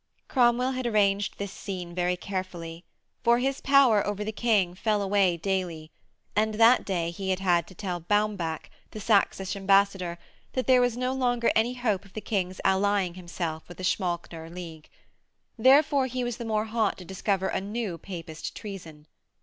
Cromwell had arranged this scene very carefully: for his power over the King fell away daily, and that day he had had to tell Baumbach, the Saxish ambassador, that there was no longer any hope of the King's allying himself with the Schmalkaldner league. Therefore he was the more hot to discover a new Papist treason.